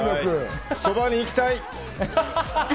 そばに行きたい。